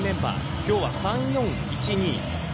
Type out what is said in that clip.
今日は３ー４ー１ー２。